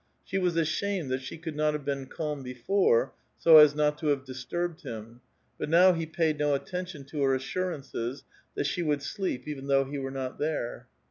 She was ashamed that she could not have been calm before, so as not to have disturbed him ; but now he paid no attention to her assurances, that she would sleep even though he were not there.